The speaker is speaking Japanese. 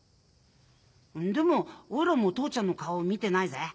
でもおいらも父ちゃんの顔見てないぜ。